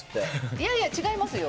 いやいや、違いますよ。